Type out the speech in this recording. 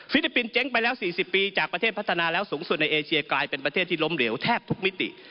ลิปปินส์เจ๊งไปแล้ว๔๐ปีจากประเทศพัฒนาแล้วสูงสุดในเอเชียกลายเป็นประเทศที่ล้มเหลวแทบทุกมิติ